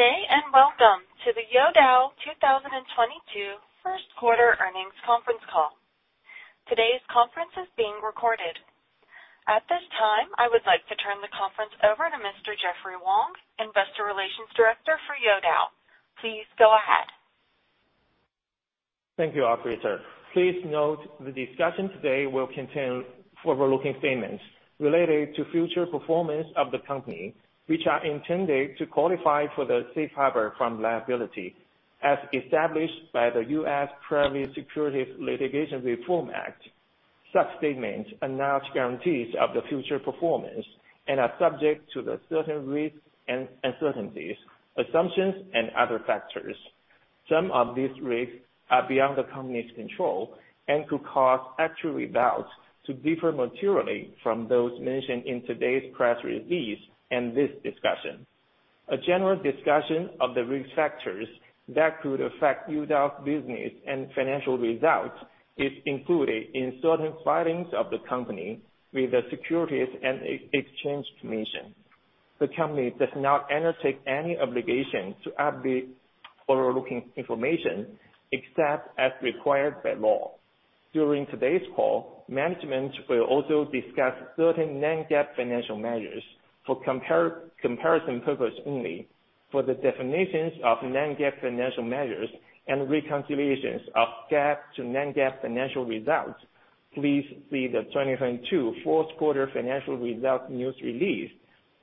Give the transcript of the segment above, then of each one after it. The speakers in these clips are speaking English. Good day, and welcome to the Youdao 2022 Q1 earnings conference call. Today's conference is being recorded. At this time, I would like to turn the conference over to Mr. Jeffrey Wang, Investor Relations Director for Youdao. Please go ahead. Thank you, operator. Please note the discussion today will contain forward-looking statements related to future performance of the company, which are intended to qualify for the safe harbor from liability as established by the US Private Securities Litigation Reform Act. Such statements are not guarantees of the future performance and are subject to the certain risks and uncertainties, assumptions, and other factors. Some of these risks are beyond the company's control and could cause actual results to differ materially from those mentioned in today's press release and this discussion. A general discussion of the risk factors that could affect Youdao's business and financial results is included in certain filings of the company with the Securities and Exchange Commission. The company does not undertake any obligation to update forward-looking information, except as required by law. During today's call, management will also discuss certain non-GAAP financial measures for comparison purposes only. For the definitions of non-GAAP financial measures and reconciliations of GAAP to non-GAAP financial results, please see the 2022 Q4 financial results news release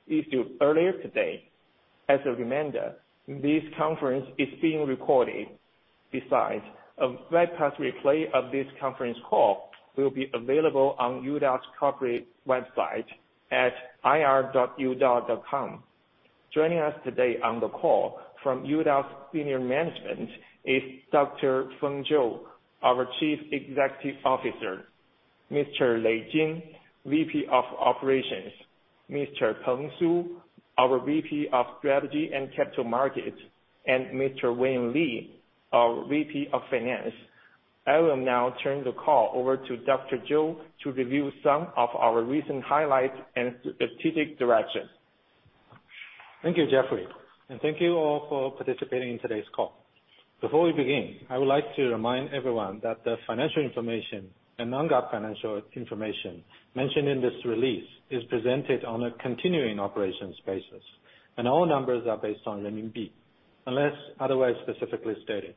issued earlier today. As a reminder, this conference is being recorded. Besides, a webcast replay of this conference call will be available on Youdao's corporate website at ir.youdao.com. Joining us today on the call from Youdao's senior management is Dr. Feng Zhou, our Chief Executive Officer, Mr. Lei Jin, VP of Operations, Mr. Peng Su, our VP of Strategy and Capital Markets, and Mr. Wayne Li, our VP of Finance. I will now turn the call over to Dr. Zhou to review some of our recent highlights and strategic direction. Thank you, Jeffrey, and thank you all for participating in today's call. Before we begin, I would like to remind everyone that the financial information and non-GAAP financial information mentioned in this release is presented on a continuing operations basis, and all numbers are based on renminbi, unless otherwise specifically stated.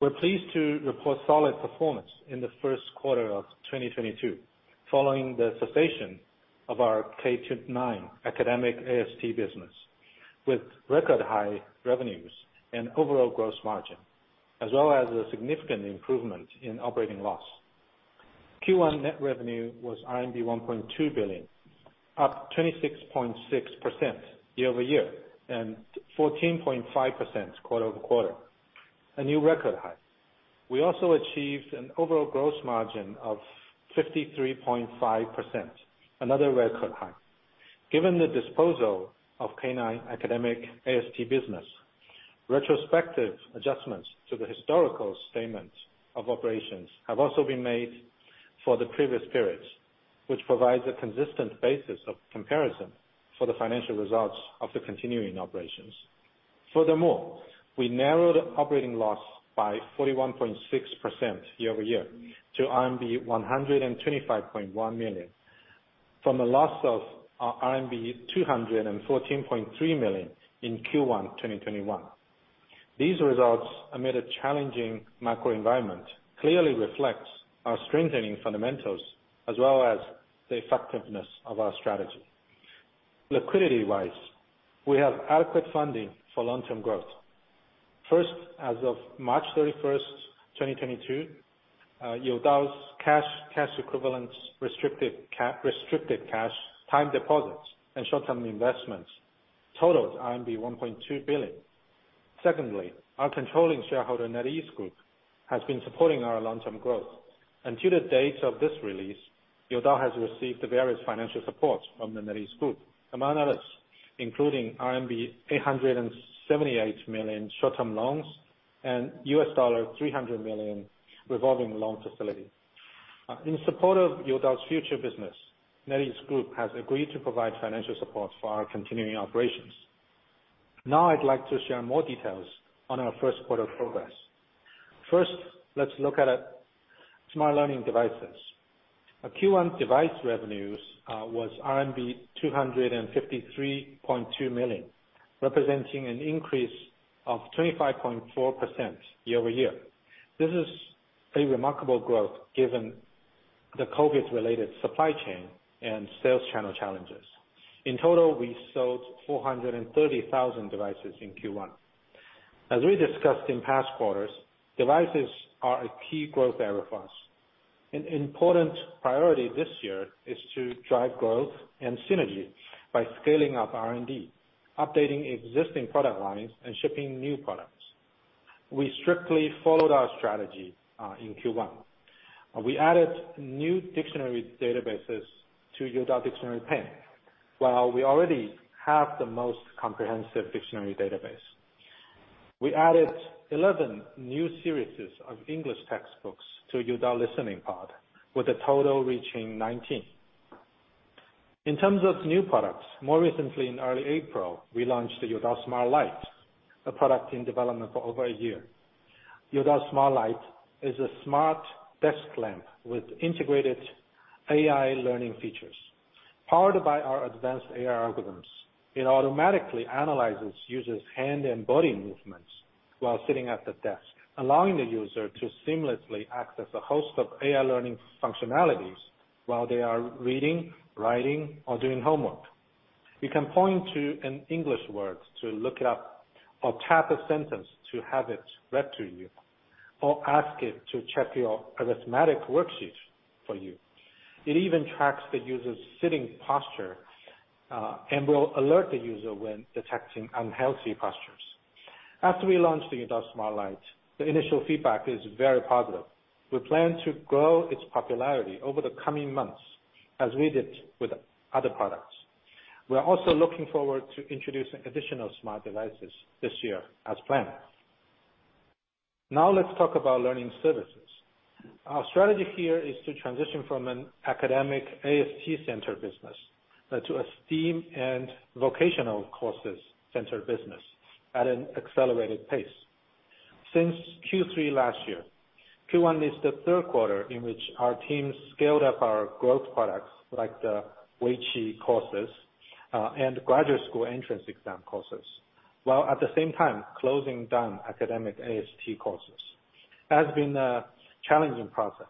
We're pleased to report solid performance in the Q1 of 2022, following the cessation of our K-9 Academic AST business, with record high revenues and overall gross margin, as well as a significant improvement in operating loss. Q1 net revenue was RMB 1.2 billion, up 26.6% year-over-year and 14.5% quarter-over-quarter, a new record high. We also achieved an overall gross margin of 53.5%, another record high. Given the disposal of K-9 Academic AST business, retrospective adjustments to the historical statements of operations have also been made for the previous periods, which provides a consistent basis of comparison for the financial results of the continuing operations. Furthermore, we narrowed operating loss by 41.6% year-over-year to RMB 125.1 million from a loss of RMB 214.3 million in Q1 2021. These results, amid a challenging macro environment, clearly reflects our strengthening fundamentals as well as the effectiveness of our strategy. Liquidity-wise, we have adequate funding for long-term growth. First, as of March 31st, 2022, Youdao's cash equivalents, restricted cash, time deposits, and short-term investments totaled RMB 1.2 billion. Secondly, our controlling shareholder, NetEase Group, has been supporting our long-term growth. Until the date of this release, Youdao has received the various financial support from the NetEase Group, among others, including RMB 878 million short-term loans and $300 million revolving loan facility. In support of Youdao's future business, NetEase Group has agreed to provide financial support for our continuing operations. Now I'd like to share more details on our Q1 progress. First, let's look at smart learning devices. Our Q1 device revenues was RMB 253.2 million, representing an increase of 25.4% year-over-year. This is a remarkable growth given the COVID-related supply chain and sales channel challenges. In total, we sold 430,000 devices in Q1. As we discussed in past quarters, devices are a key growth area for us. An important priority this year is to drive growth and synergy by scaling up R&D, updating existing product lines, and shipping new products. We strictly followed our strategy in Q1. We added new dictionary databases to Youdao Dictionary Pen, while we already have the most comprehensive dictionary database. We added 11 new series of English textbooks to Youdao Listening Pod, with a total reaching 19. In terms of new products, more recently in early April, we launched the Youdao Smart Light, a product in development for over a year. Youdao Smart Light is a smart desk lamp with integrated AI learning features. Powered by our advanced AI algorithms, it automatically analyzes users' hand and body movements while sitting at the desk, allowing the user to seamlessly access a host of AI learning functionalities while they are reading, writing, or doing homework. You can point to an English word to look it up or tap a sentence to have it read to you, or ask it to check your arithmetic worksheet for you. It even tracks the user's sitting posture and will alert the user when detecting unhealthy postures. After we launched the Youdao Smart Light, the initial feedback is very positive. We plan to grow its popularity over the coming months as we did with other products. We are also looking forward to introducing additional smart devices this year as planned. Now let's talk about learning services. Our strategy here is to transition from an academic AST center business to a STEAM and vocational courses center business at an accelerated pace. Since Q3 last year, Q1 is the Q3 in which our team scaled up our growth products like the Weiqi courses, and graduate school entrance exam courses, while at the same time closing down Academic AST courses. It has been a challenging process,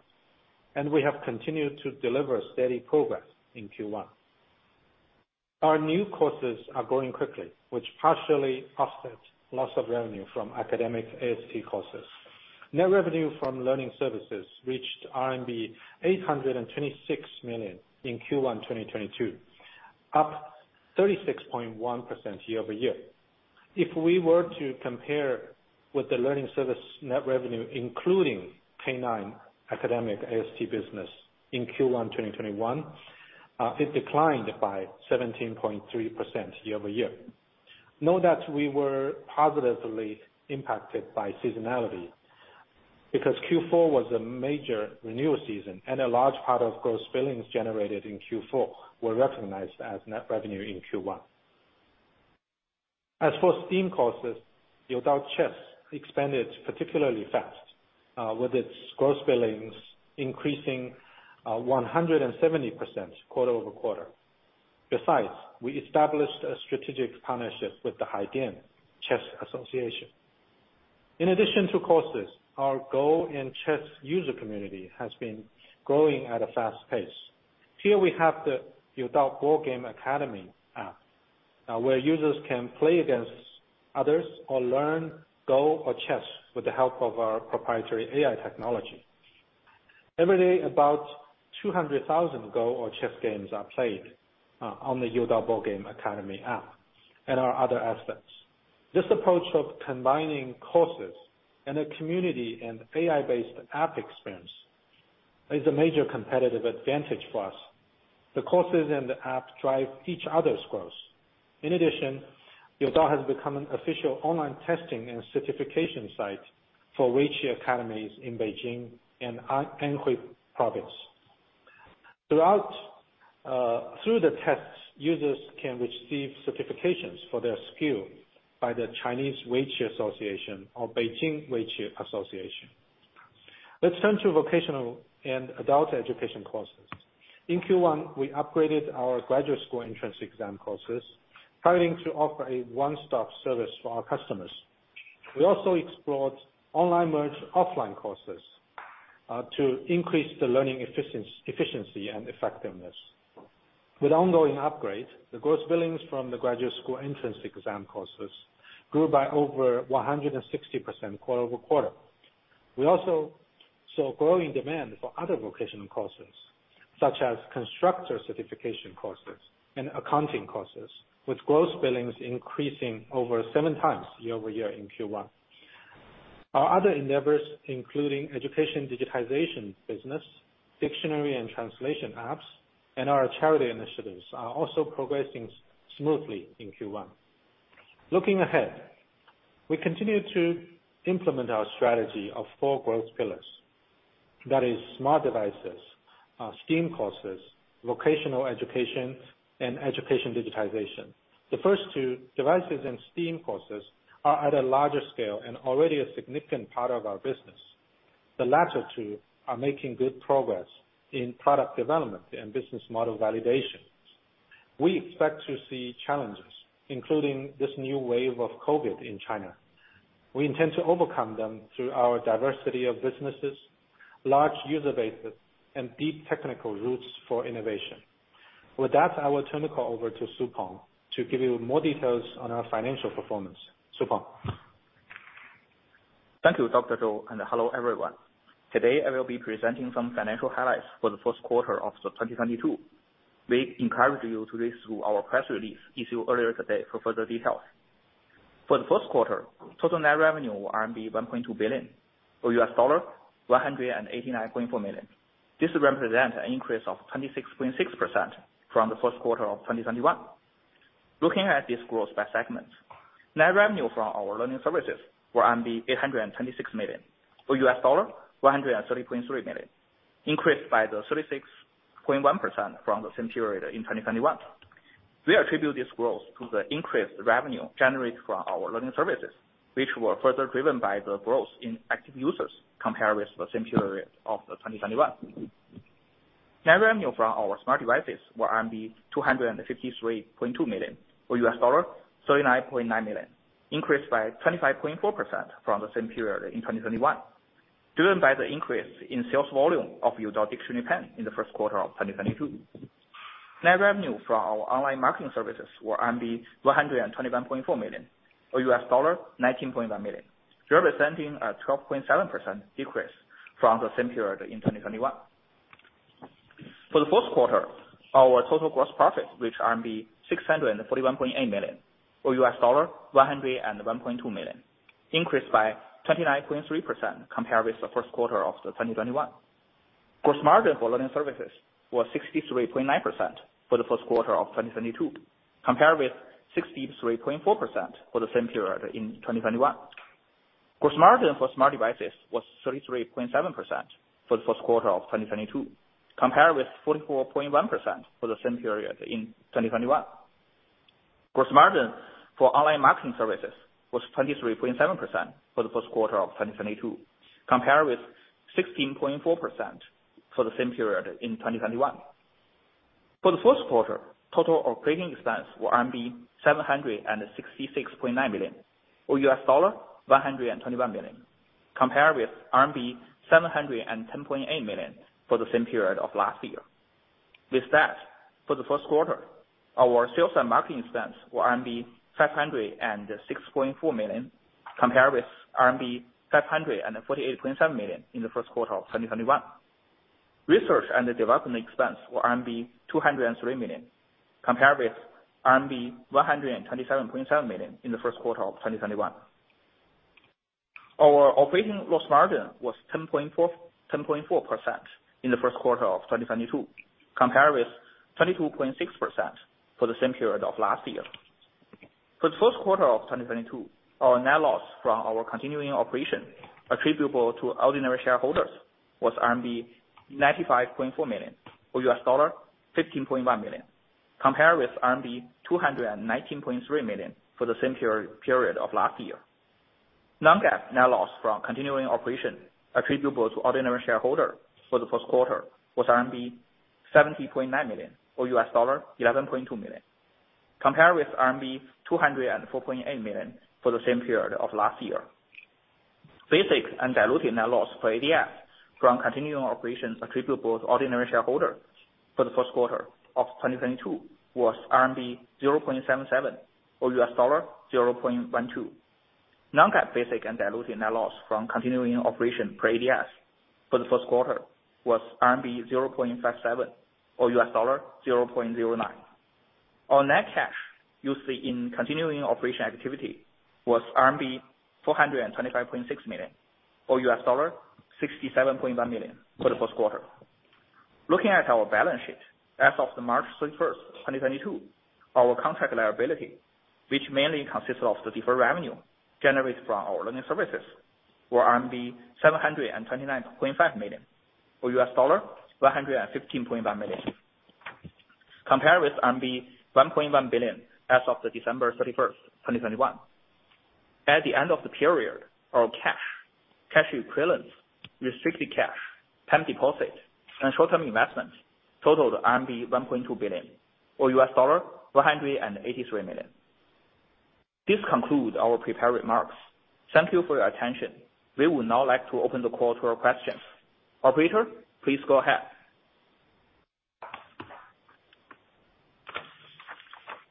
and we have continued to deliver steady progress in Q1. Our new courses are growing quickly, which partially offset loss of revenue from Academic AST courses. Net revenue from learning services reached RMB 826 million in Q1 2022, up 36.1% year-over-year. If we were to compare with the learning service net revenue, including K-9 Academic AST business in Q1 2021, it declined by 17.3% year-over-year. Note that we were positively impacted by seasonality, because Q4 was a major renewal season and a large part of gross billings generated in Q4 were recognized as net revenue in Q1. As for STEAM courses, Youdao Chess expanded particularly fast, with its gross billings increasing 170% quarter-over-quarter. Besides, we established a strategic partnership with the Haidian Chess Association. In addition to courses, our Go and Chess user community has been growing at a fast pace. Here we have the Youdao Board Game Academy app, where users can play against others or learn Go or chess with the help of our proprietary AI technology. Every day, about 200,000 Go or chess games are played on the Youdao Board Game Academy app and our other assets. This approach of combining courses and a community and AI-based app experience is a major competitive advantage for us. The courses and the app drive each other's growth. In addition, Youdao has become an official online testing and certification site for Weiqi academies in Beijing and Anhui Province. Through the tests, users can receive certifications for their skill by the Chinese Weiqi Association or Beijing Weiqi Association. Let's turn to vocational and adult education courses. In Q1, we upgraded our graduate school entrance exam courses, planning to offer a one-stop service for our customers. We also explored online merged offline courses to increase the learning efficiency and effectiveness. With ongoing upgrade, the gross billings from the graduate school entrance exam courses grew by over 160% quarter-over-quarter. We also saw growing demand for other vocational courses, such as constructor certification courses and accounting courses, with gross billings increasing over seven times year-over-year in Q1. Our other endeavors, including education digitization business, dictionary and translation apps, and our charity initiatives, are also progressing smoothly in Q1. Looking ahead, we continue to implement our strategy of four growth pillars. That is smart devices, STEAM courses, vocational education, and education digitization. The first two, devices and STEAM courses, are at a larger scale and already a significant part of our business. The latter two are making good progress in product development and business model validation. We expect to see challenges, including this new wave of COVID in China. We intend to overcome them through our diversity of businesses, large user bases, and deep technical roots for innovation. With that, I will turn the call over to Su Peng to give you more details on our financial performance. Peng Su. Thank you, Dr. Zhou, and hello, everyone. Today, I will be presenting some financial highlights for the Q1 of 2022. We encourage you to read through our press release issued earlier today for further details. For the Q1, total net revenue RMB 1.2 billion or $189.4 million. This represent an increase of 26.6% from the Q1 of 2021. Looking at this growth by segments. Net revenue from our learning services were 826 million, or $130.3 million, increased by the 36.1% from the same period in 2021. We attribute this growth to the increased revenue generated from our learning services, which were further driven by the growth in active users compared with the same period of 2021. Net revenue from our smart devices was RMB 253.2 million, or $39.9 million, increased by 25.4% from the same period in 2021, driven by the increase in sales volume of the Youdao Dictionary Pen in the Q1 of 2022. Net revenue from our online marketing services was 121.4 million, or $19.1 million, representing a 12.7% decrease from the same period in 2021. For the Q1, our total gross profit reached RMB 641.8 million, or $101.2 million, increased by 29.3% compared with the Q1 of 2021. Gross margin for learning services was 63.9% for theQ1 of 2022, compared with 63.4% for the same period in 2021. Gross margin for smart devices was 33.7% for the Q1 of 2022, compared with 44.1% for the same period in 2021. Gross margin for online marketing services was 23.7% for the Q1 of 2022, compared with 16.4% for the same period in 2021. For the Q1, total operating expense were RMB 766.9 million, or $121 million, compared with RMB 710.8 million for the same period of last year. With that, for theQ1, our sales and marketing expense were RMB 506.4 million, compared with RMB 548.7 million in the Q1 of 2021. Research and development expense were RMB 203 million, compared with RMB 127.7 million in the Q1 of 2021. Our operating loss margin was 10.4, 10.4% in the Q1 of 2022, compared with 22.6% for the same period of last year. For the Q1 of 2022, our net loss from our continuing operation attributable to ordinary shareholders was RMB 95.4 million, or $15.1 million, compared with RMB 219.3 million for the same period of last year. non-GAAP net loss from continuing operations attributable to ordinary shareholders for the Q1 was RMB 70.9 million, or $11.2 million, compared with RMB 204.8 million for the same period last year. Basic and diluted net loss per ADS from continuing operations attributable to ordinary shareholders for the Q1 of 2022 was RMB 0.77, or $0.12. non-GAAP basic and diluted net loss from continuing operations per ADS for the Q1 was RMB 0.57, or $0.09. Our net cash used in continuing operations activities was RMB 425.6 million, or $67.1 million for the Q1. Looking at our balance sheet, as of March 31st, 2022, our contract liability, which mainly consists of the deferred revenue generated from our learning services, were RMB 729.5 million, or $115.5 million, compared with RMB 1.1 billion as of December 31st, 2021. At the end of the period, our cash equivalents, restricted cash, term deposit, and short-term investments totaled RMB 1.2 billion, or $183 million. This concludes our prepared remarks. Thank you for your attention. We would now like to open the call to our questions. Operator, please go ahead.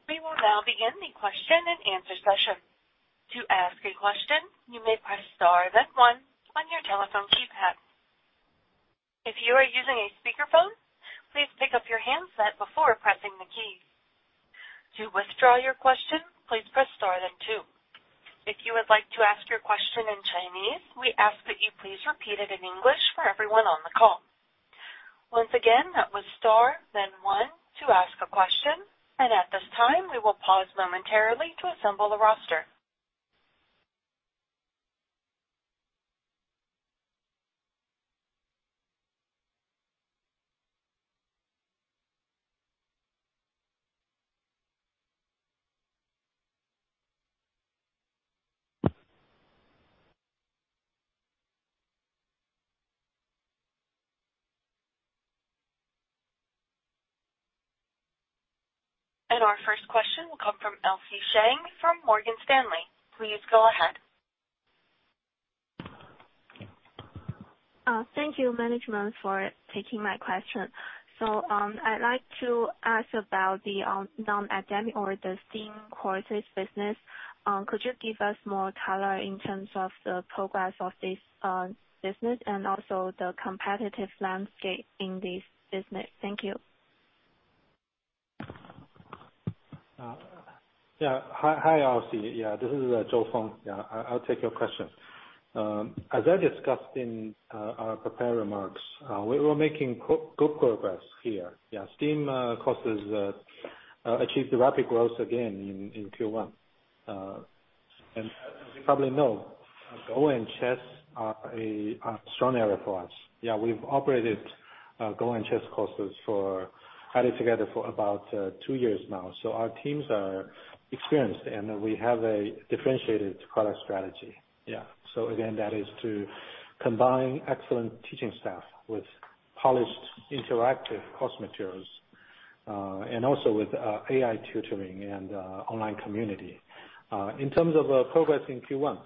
We will now begin the question and answer session. To ask a question, you may press star then one on your telephone keypad. If you are using a speakerphone, please pick up your handset before pressing the key. To withdraw your question, please press star then two. If you would like to ask your question in Chinese, we ask that you please repeat it in English for everyone on the call. Once again, that was star then one to ask a question. At this time, we will pause momentarily to assemble the roster. Our first question will come from Elsie Sheng from Morgan Stanley. Please go ahead. Thank you, management, for taking my question. I'd like to ask about the non-academic or the STEAM courses business. Could you give us more color in terms of the progress of this business and also the competitive landscape in this business? Thank you. Yeah. Hi, Elsie. Yeah, this is Feng Zhou. Yeah, I'll take your question. As I discussed in our prepared remarks, we were making good progress here. Yeah, STEAM courses achieved rapid growth again in Q1. As you probably know, Go and chess are a strong area for us. Yeah, we've operated Go and chess courses added together for about two years now. Our teams are experienced, and we have a differentiated product strategy. Yeah. Again, that is to combine excellent teaching staff with polished interactive course materials and also with AI tutoring and online community. In terms of progress in Q1,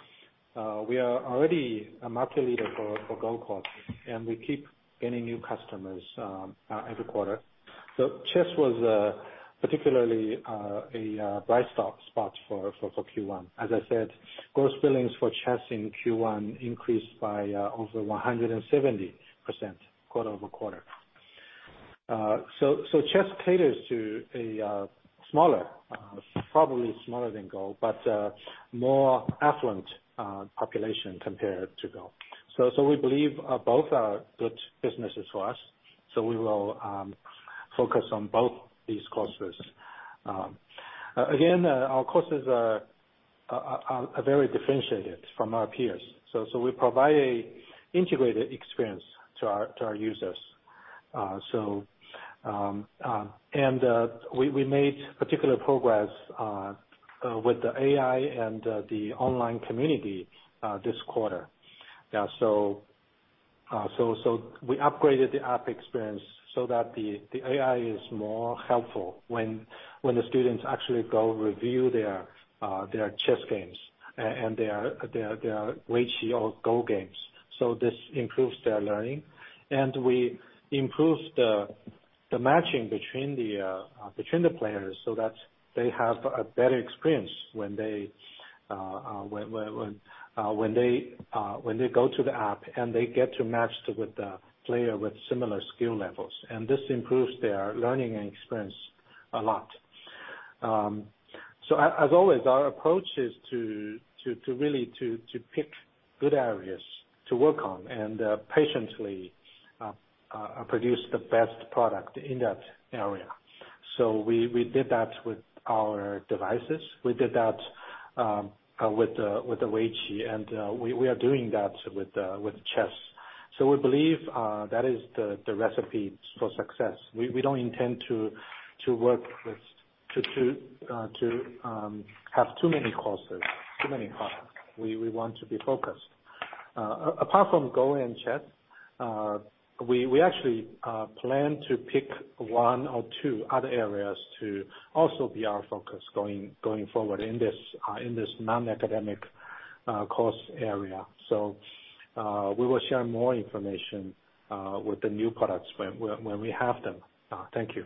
we are already a market leader for Go course, and we keep getting new customers every quarter. Chess was particularly a bright spot for Q1. As I said, gross billings for chess in Q1 increased by over 170% quarter-over-quarter. Chess caters to a smaller, probably smaller than Go, but more affluent population compared to Go. We believe both are good businesses for us, so we will focus on both these courses. Again, our courses are very differentiated from our peers. We provide an integrated experience to our users. We made particular progress with the AI and the online community this quarter. We upgraded the app experience so that the AI is more helpful when the students actually go review their chess games and their Weiqi or Go games. This improves their learning. We improved the matching between the players, so that they have a better experience when they go to the app, and they get to match with a player with similar skill levels. This improves their learning experience a lot. As always, our approach is to really pick good areas to work on and patiently produce the best product in that area. We did that with our devices with the Weiqi, and we are doing that with chess. We believe that is the recipe for success. We don't intend to have too many courses, too many products. We want to be focused. Apart from Go and chess, we actually plan to pick one or two other areas to also be our focus going forward in this non-academic course area. We will share more information with the new products when we have them. Thank you.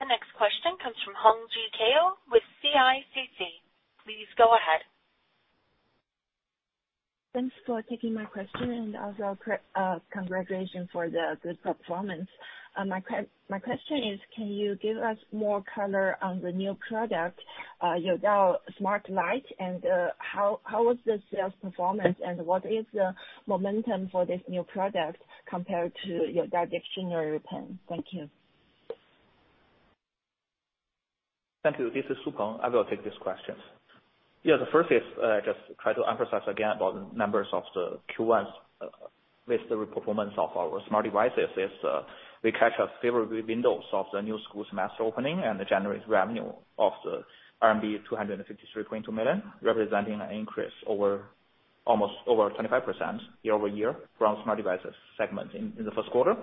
The next question comes from Hongjie Gao with CICC. Please go ahead. Thanks for taking my question and also congratulations for the good performance. My question is, can you give us more color on the new product, Youdao Smart Light, and how was the sales performance and what is the momentum for this new product compared to, you know, that Youdao Dictionary Pen? Thank you. Thank you. This is Peng Su. I will take this question. The first is just try to emphasize again about the numbers of the Q1 with the performance of our smart devices is we catch a favorable window of the new school semester opening and generate revenue of RMB 253.2 million, representing an increase over almost 25% year-over-year from smart devices segment in the Q1.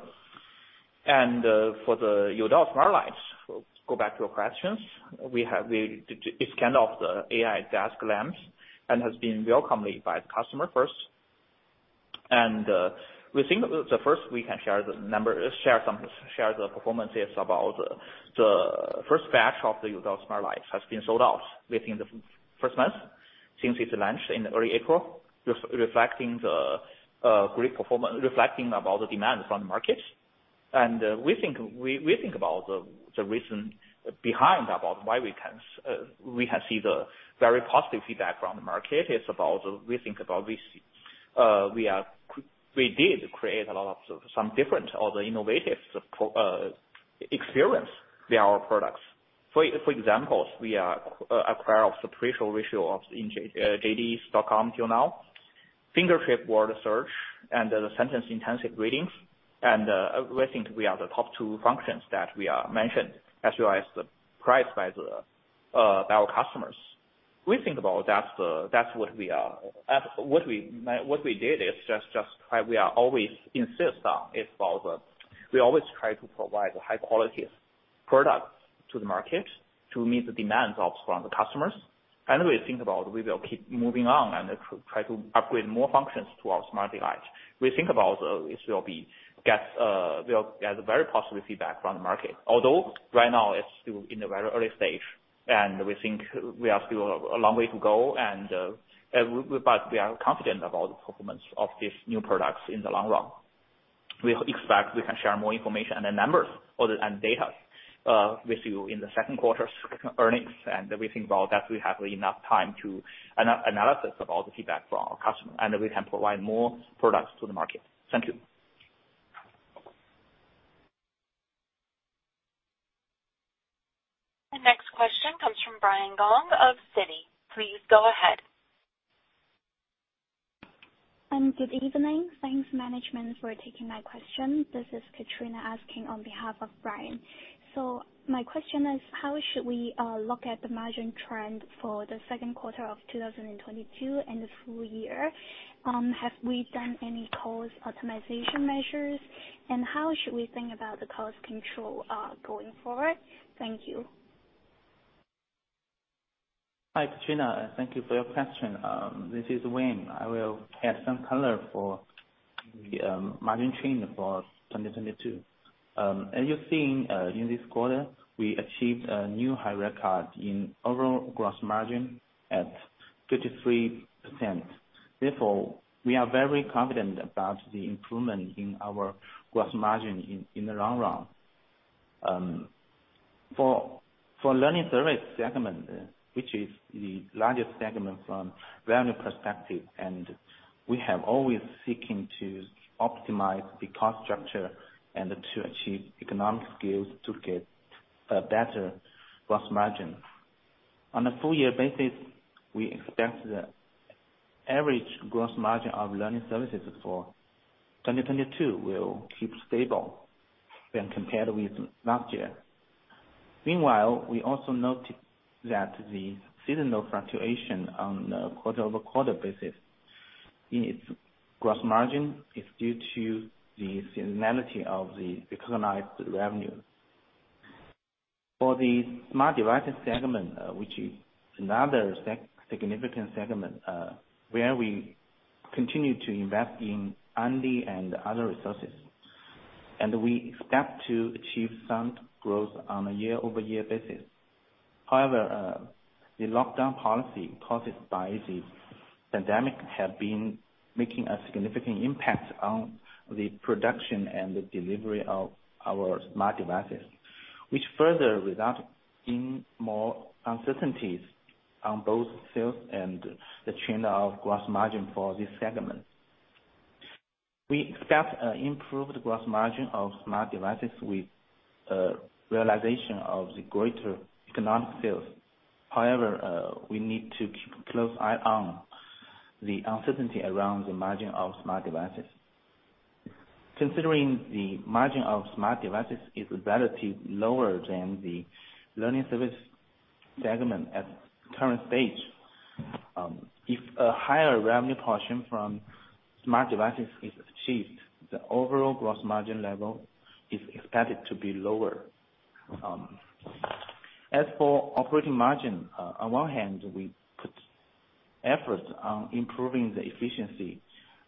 For the Youdao Smart Light, go back to your questions, we have the success of the AI desk lamps and has been welcomed by the customer first. We think the first number we can share is the performance about the first batch of the Youdao Smart Light has been sold out within the first month since its launch in early April, reflecting the great demand from the markets. We think the reason behind why we can see the very positive feedback from the market is we think this we did create a lot of different innovative product experience via our products. For example, we are at a high purchase ratio on JD.com till now. Fingertip word search and the sentence intensive readings, and we think we are the top two functions that are mentioned as well as the price by our customers. We think that's the, that's what we are. What we did is just try. We always try to provide high quality products to the market to meet the demands from the customers. We think we will keep moving on and try to upgrade more functions to our smart device. We think it will be We get very positive feedback from the market. Although right now it's still in the very early stage, and we think we are still a long way to go, but we are confident about the performance of these new products in the long run. We expect we can share more information and the numbers or data with you in the Q2 earnings, and we think that we have enough time to analysis of all the feedback from our customer, and we can provide more products to the market. Thank you. The next question comes from Brian Gong of Citigroup. Please go ahead. Good evening. Thanks management for taking my question. This is Katrina asking on behalf of Brian. My question is, how should we look at the margin trend for the Q2 of 2022 and the full year? Have we done any cost optimization measures, and how should we think about the cost control going forward? Thank you. Hi, Brian, thank you for your question. This is Wayne. I will add some color for the margin trend for 2022. As you've seen, in this quarter, we achieved a new high record in overall gross margin at 53%. Therefore, we are very confident about the improvement in our gross margin in the long run. For learning service segment, which is the largest segment from revenue perspective, we have always seeking to optimize the cost structure and to achieve economies of scale to get better gross margin. On a full year basis, we expect the average gross margin of learning services for 2022 will keep stable when compared with last year. Meanwhile, we also note that the seasonal fluctuation on a quarter-over-quarter basis in its gross margin is due to the seasonality of the recognized revenue. For the smart devices segment, which is another significant segment, where we continue to invest in R&D and other resources, and we expect to achieve some growth on a year-over-year basis. However, the lockdown policy caused by the pandemic have been making a significant impact on the production and the delivery of our smart devices, which further result in more uncertainties on both sales and the trend of gross margin for this segment. We expect, improved gross margin of smart devices with, realization of the greater economies of scale. However, we need to keep close eye on the uncertainty around the margin of smart devices. Considering the margin of smart devices is relatively lower than the learning service segment at current stage, if a higher revenue portion from smart devices is achieved, the overall gross margin level is expected to be lower. As for operating margin, on one hand, we put efforts on improving the efficiency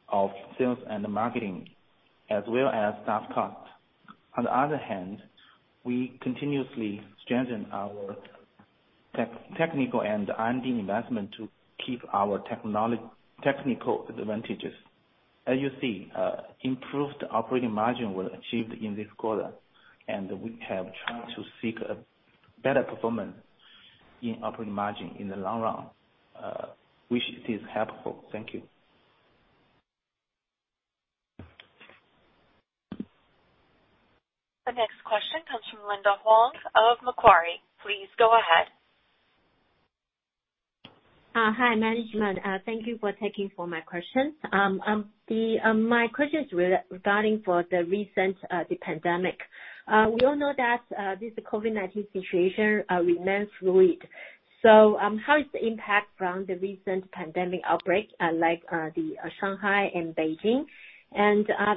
of sales and the marketing as well as staff cost. On the other hand, we continuously strengthen our technical and R&D investment to keep our technical advantages. As you see, improved operating margin was achieved in this quarter, and we have tried to seek a better performance in operating margin in the long run. Which is helpful. Thank you. The next question comes from Linda Huang of Macquarie. Please go ahead. Hi, management. Thank you for taking my question. My question is regarding the recent pandemic. We all know that this COVID-19 situation remains fluid. How is the impact from the recent pandemic outbreak, like, in Shanghai and Beijing?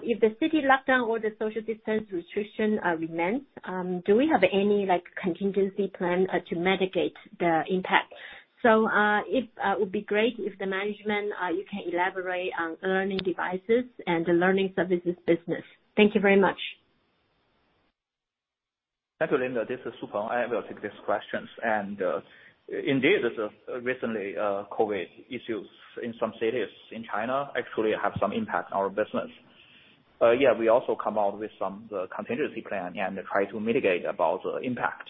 If the city lockdown or the social distance restriction remains, do we have any, like, contingency plan to mitigate the impact? It would be great if management can elaborate on learning devices and the learning services business. Thank you very much. Thank you, Linda. This is Su Peng. I will take this question. Indeed, the recent COVID-19 issues in some cities in China actually have some impact on our business. We also come out with some contingency plan and try to mitigate the impact.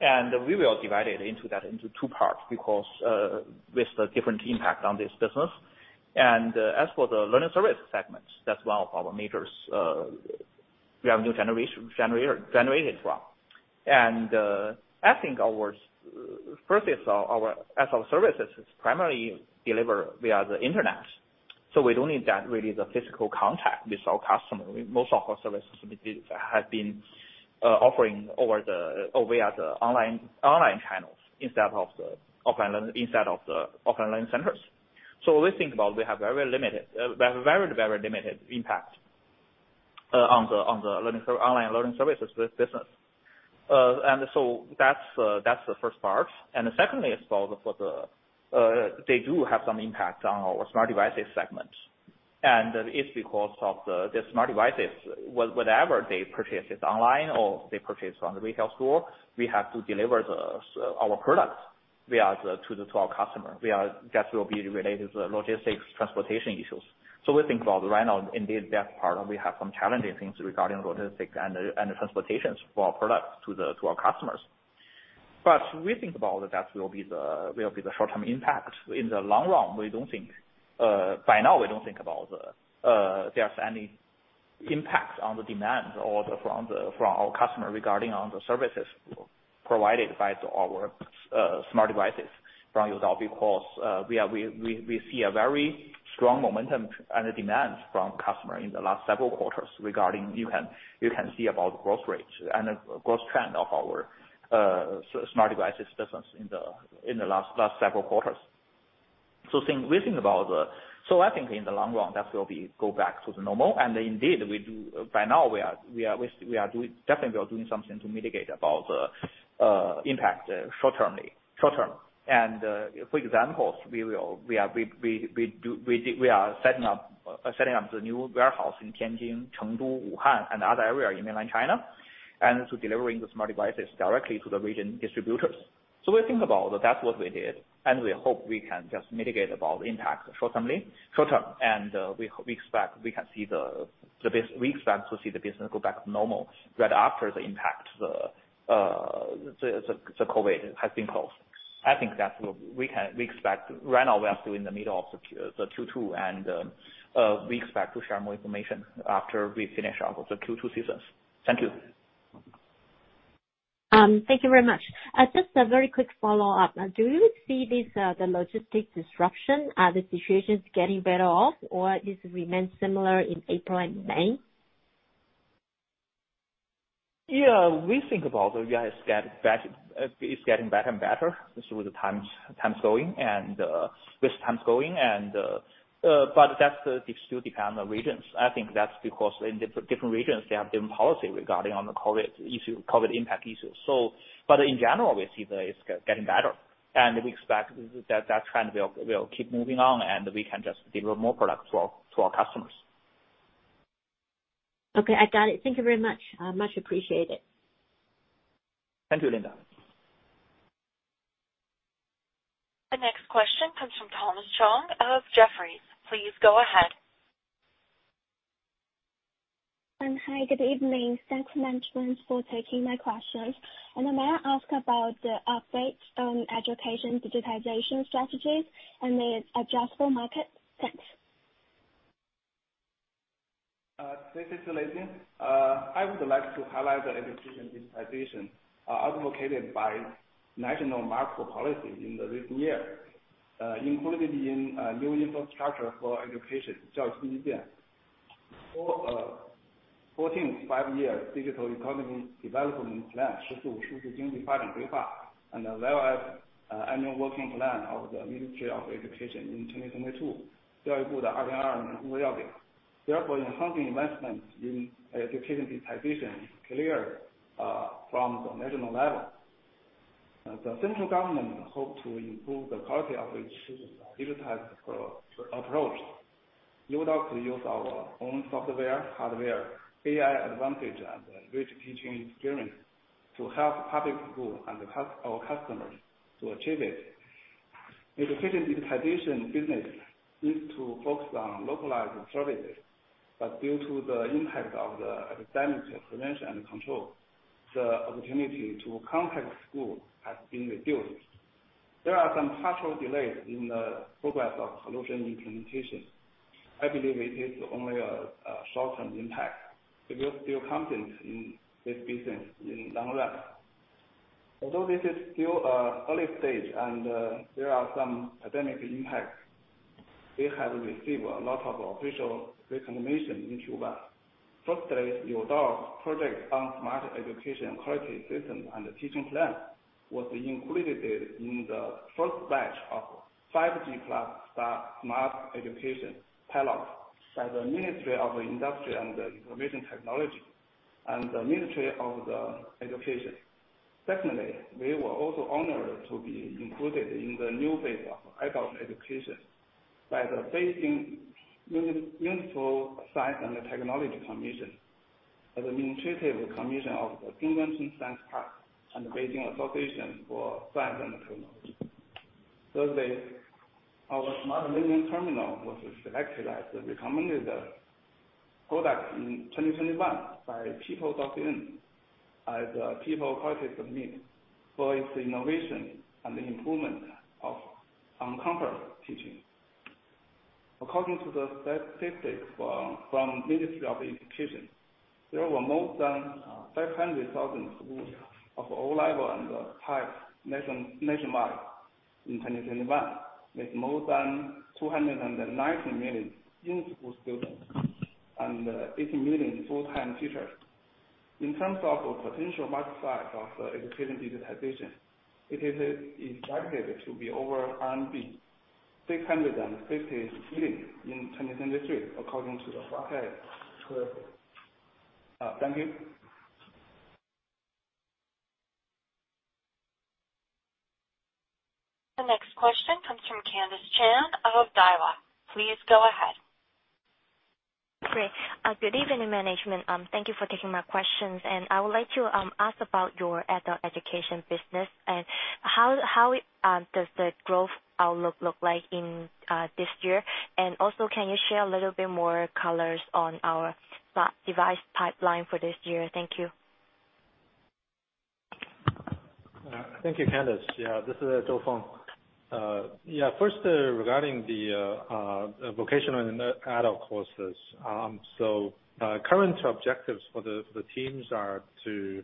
We will divide it into two parts because with the different impact on this business. As for the learning service segments, that's one of our majors, we have revenue generated from. I think first is our services is primarily delivered via the Internet, so we don't need really the physical contact with our customer. Most of our services have been offering via the online channels instead of the offline learning centers. We think about we have very limited impact on the learning online learning services with business. That's the first part. Secondly, for the, they do have some impact on our smart devices segment. It's because of the smart devices, whatever they purchase, it's online or they purchase from the retail store, we have to deliver our products to our customer. That will be related to logistics, transportation issues. We think about right now, indeed that part, we have some challenging things regarding logistics and transportations for our products to our customers. We think about that will be the short term impact. In the long run, we don't think by now there's any impact on the demand from our customers regarding the services provided by our smart devices from Youdao because we see a very strong momentum and a demand from customers in the last several quarters. You can see the growth rates and the growth trend of our smart devices business in the last several quarters. I think in the long run, that will go back to normal. Indeed, we are doing something to mitigate the impact short term. For example, we are setting up the new warehouse in Tianjin, Chengdu, Wuhan and other area in mainland China, and to delivering the smart devices directly to the regional distributors. We think about that's what we did, and we hope we can just mitigate about impact short term. We expect to see the business go back to normal right after the impact, the COVID has been closed. I think that's what we expect. Right now we are still in the middle of the Q2, and we expect to share more information after we finish our Q2 seasons. Thank you. Thank you very much. Just a very quick follow-up. Do you see this, the logistics disruption, are the situations getting better off or this remains similar in April and May? Yeah. We think about it. It's getting better and better with the times. It still depend on regions. I think that's because in different regions they have different policy regarding on the COVID issue, COVID impact issue. In general, we see that it's getting better, and we expect that trend will keep moving on, and we can just deliver more products to our customers. Okay. I got it. Thank you very much. Much appreciated. Thank you, Linda. The next question comes from Thomas Chong of Jefferies. Please go ahead. Hi. Good evening. Thanks, management, for taking my questions. May I ask about the updates on education digitization strategies and the edtech market? Thanks. This is Lei Jin. I would like to highlight the education digitization advocated by national macro policy in the recent years, including the new infrastructure for education, 14th Five-Year Digital Economic Development Plan, and as well as annual working plan of the Ministry of Education in 2022. Therefore, enhancing investment in education digitization is clear from the national level. The central government hopes to improve the quality of its citizens' digitized approach. Youdao could use our own software, hardware, AI advantage and rich teaching experience to help public school and our customers to achieve it. Education digitization business needs to focus on localized services, but due to the impact of the epidemic prevention and control, the opportunity to contact school has been reduced. There are some partial delays in the progress of solution implementation. I believe it is only a short-term impact. We are still confident in this business in long run. Although this is still early stage and there are some epidemic impacts, we have received a lot of official recommendation in China. Firstly, Youdao project on smart education quality system and the teaching plan was included in the first batch of 5G plus smart education pilots by the Ministry of Industry and Information Technology and the Ministry of Education. Secondly, we were also honored to be included in the new phase of adult education by the Beijing Municipal Science and Technology Commission as a constituent of the Zhongguancun Science Park and the Beijing Association for Science and Technology. Thursday, our smart learning terminal was selected as the recommended product in 2021 by People's Daily as the People's Quality Summit for its innovation and the improvement of on-campus teaching. According to the statistics from Ministry of Education, there were more than 500,000 schools of all level and types nationwide in 2021, with more than 290 million in-school students and 80 million full-time teachers. In terms of the potential market size of the education digitization, it is targeted to be over 650 seating in 2033. Thank you. The next question comes from Candice Chan of Daiwa. Please go ahead. Great. Good evening, management. Thank you for taking my questions. I would like to ask about your adult education business and how it does the growth outlook look like in this year? Also, can you share a little bit more colors on our device pipeline for this year? Thank you. Thank you, Candice. This is Zhou Feng. First, regarding the vocational and adult courses. Current objectives for the teams are to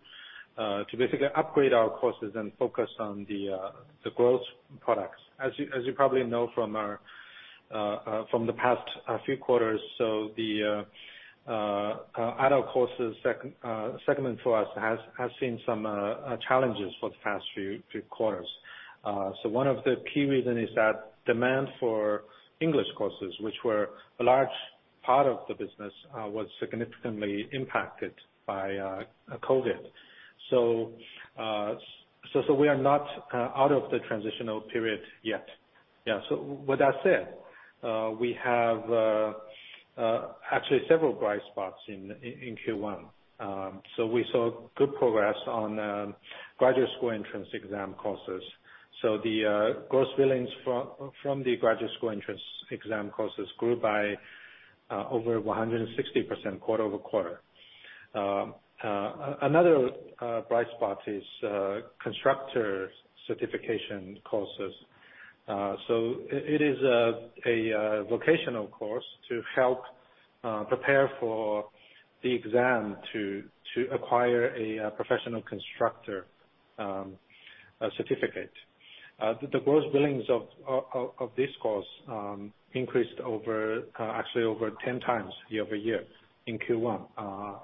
basically upgrade our courses and focus on the growth products. As you probably know from the past few quarters. The adult courses segment for us has seen some challenges for the past few quarters. One of the key reason is that demand for English courses, which were a large part of the business, was significantly impacted by COVID. We are not out of the transitional period yet. With that said, we have actually several bright spots in Q1. We saw good progress on graduate school entrance exam courses. The gross billings from the graduate school entrance exam courses grew by over 160% quarter-over-quarter. Another bright spot is constructor certification courses. It is a vocational course to help prepare for the exam to acquire a professional constructor certificate. The gross billings of this course increased, actually, over 10 times year-over-year in Q1,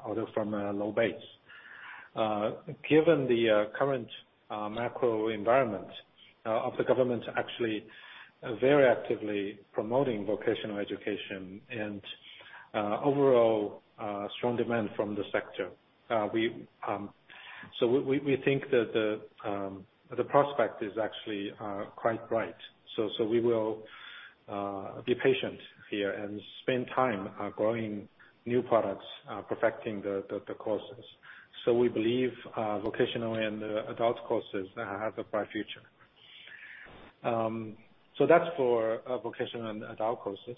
although from a low base. Given the current macro environment of the government actually very actively promoting vocational education and overall strong demand from the sector. We think that the prospect is actually quite bright. We will be patient here and spend time growing new products, perfecting the courses. We believe vocational and adult courses have a bright future. That's for vocational and adult courses.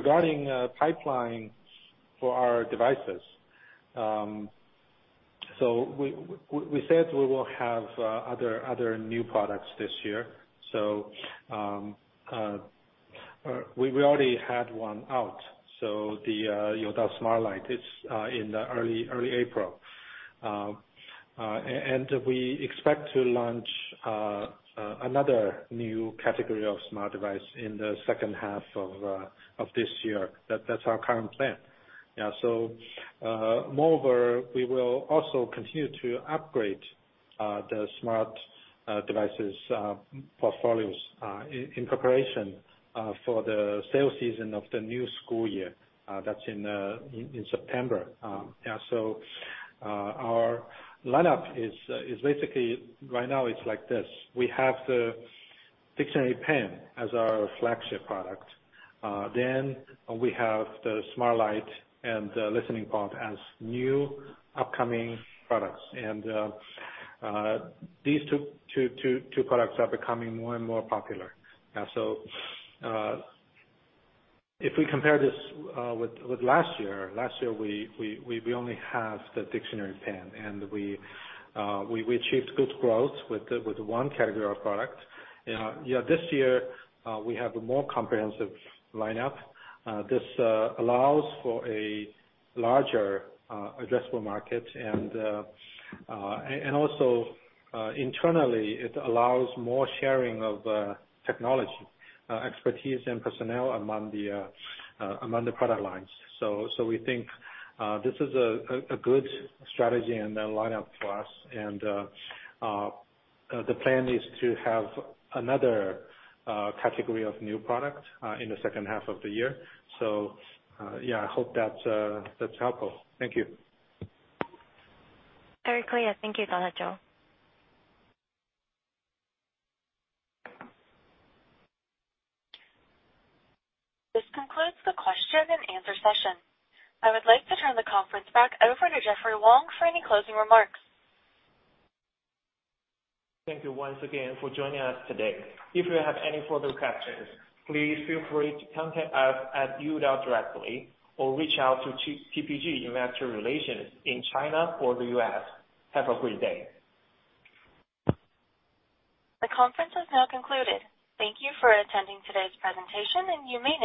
Regarding pipeline for our devices. We said we will have other new products this year. We already had one out. The Youdao Smart Light, it's in the early April. And we expect to launch another new category of smart device in the H2 of this year. That's our current plan. Moreover, we will also continue to upgrade the smart devices portfolios in preparation for the sales season of the new school year, that's in September. Our lineup is basically right now it's like this, we have the Dictionary Pen as our flagship product. We have the Smart Light and the Listening Pod as new upcoming products. These two products are becoming more and more popular. If we compare this with last year, last year we only have the Dictionary Pen, and we achieved good growth with the one category of product. This year we have a more comprehensive lineup. This allows for a larger addressable market. Internally, it allows more sharing of technology, expertise and personnel among the product lines. We think this is a good strategy and a lineup for us. The plan is to have another category of new product in the H2 of the year. Yeah, I hope that's helpful. Thank you. Very clear. Thank you, Zhou. This concludes the question and answer session. I would like to turn the conference back over to Jeffrey Wang for any closing remarks. Thank you once again for joining us today. If you have any further questions, please feel free to contact us at Youdao directly or reach out to TPG Investor Relations in China or the US. Have a great day. The conference has now concluded. Thank you for attending today's presentation, and you may now disconnect.